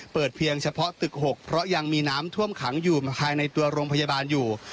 เพียงเฉพาะตึก๖เพราะยังมีน้ำท่วมขังอยู่ภายในตัวโรงพยาบาลอยู่